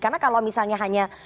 karena kalau misalnya hanya